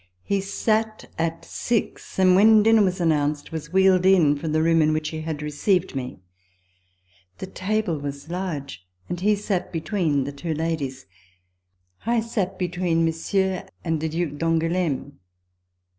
He sat at six ; and when dinner was announced, was wheeled in from the room in which he had received me. The table was large, and he sat between the two ladies, the Duchesses of Berri and of Angouleme. I sat between Monsieur and the Duke d'Angouleme.